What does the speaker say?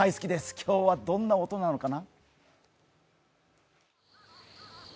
今日はどんな音なのかな？